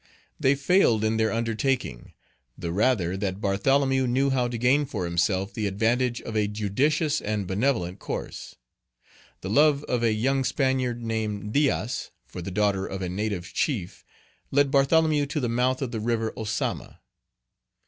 They failed in their undertaking, the rather that Bartholomew knew how to gain for himself the advantage of a judicious and benevolent course. The love of a young Spaniard, named Diaz, for the daughter of a native chief, led Bartholomew to the mouth of the river Ozama.